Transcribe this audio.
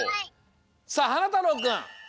さあはなたろうくん。